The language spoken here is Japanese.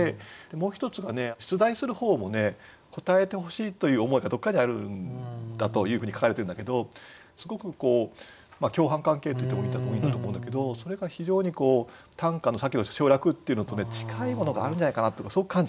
もう一つがね出題する方も答えてほしいという思いがどっかにあるんだというふうに書かれてるんだけどすごく共犯関係といってもいいんだと思うけどそれが非常に短歌のさっきの省略っていうのとね近いものがあるんじゃないかなとそう感じちゃってね。